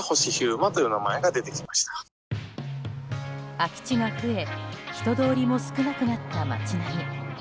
空き地が増え人通りも少なくなった街並み。